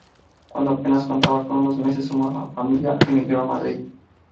Cuando apenas contaba con unos meses su familia emigró a Madrid.